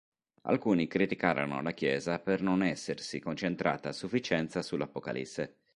Alcuni criticarono la Chiesa per non essersi concentrata a sufficienza sull'Apocalisse.